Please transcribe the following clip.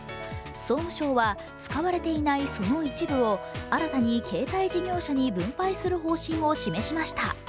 総務省は使われていないその一部を新たに携帯事業者に分配する方針を示しました。